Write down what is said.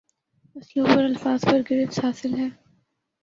اسلوب اور الفاظ پر گرفت حاصل ہے